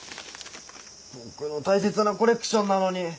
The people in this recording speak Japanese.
僕の大切なコレクションなのに。